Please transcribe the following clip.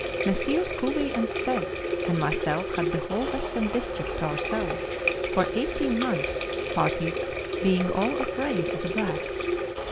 Messrs. Cowie and Stead and myself had the whole Western district to ourselves for eighteen months, parties being all afraid of the blacks.